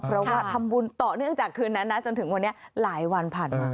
เพราะว่าทำบุญต่อเนื่องจากคืนนั้นนะจนถึงวันนี้หลายวันผ่านมา